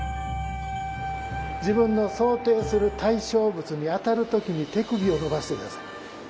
自分の想定する対象物に当たる時に手首を伸ばして下さい当たる時に。